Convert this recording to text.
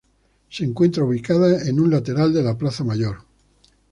Se encuentra ubicada en un lateral de la plaza Mayor.